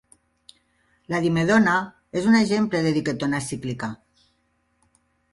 La dimedona és un exemple de diquetona cíclica.